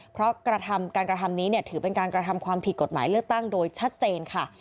เพราะการกระทำนี้ถือเป็นการกระทำความผิดกฎหมายเลือกตั้งโดยชัดเจนค่ะ